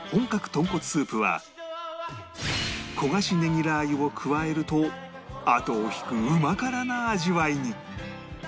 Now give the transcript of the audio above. とんこつスープは焦がしねぎラー油を加えるとあとを引くうま辛な味わいに